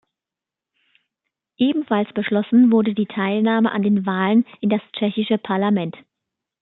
Ebenfalls beschlossen wurde die Teilnahme an den Wahlen in das tschechische Parlament.